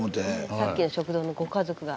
さっきの食堂のご家族が。